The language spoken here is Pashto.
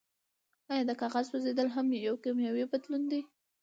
ایا د کاغذ سوځیدل هم یو کیمیاوي بدلون دی